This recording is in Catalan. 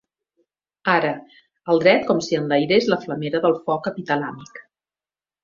...ara, el dret com si enlairés la flamera del foc epitalàmic.